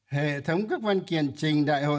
hệ thống các văn kiện trình đại hội